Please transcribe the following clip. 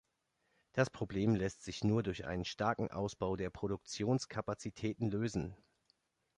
Das Problem lässt sich nur durch einen starken Ausbau der Produktionskapazitäten lösen.